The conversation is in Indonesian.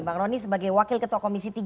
bang rony sebagai wakil ketua komisi tiga